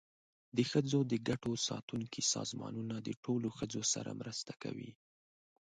د ښځو د ګټو ساتونکي سازمانونه د ټولو ښځو سره مرسته کوي.